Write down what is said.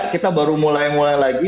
kita baru mulai mulai lagi